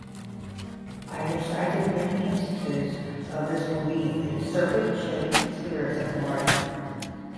I have cited many instances of this belief in serpent-shaped spirits of water.